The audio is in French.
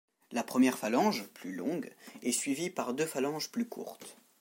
La première phalange, plus longue, est suivie par deux phalanges plus courtes.